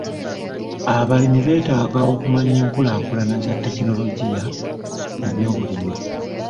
Abalimi beetaaga okumanya enkulaakulana za tekinologiya mu by'obulimi.